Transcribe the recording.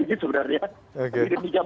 itu sepuluh derajat sembilan derajat